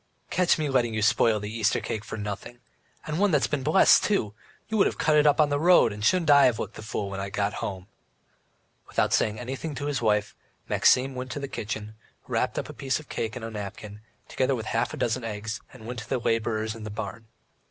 "Catch me letting you spoil the Easter cake for nothing! And one that has been blessed too! You would have cut it on the road, and shouldn't I have looked a fool when I got home?" Without saying anything to his wife, Maxim went into the kitchen, wrapped a piece of cake up in a napkin, together with half a dozen eggs, and went to the labourers in the barn.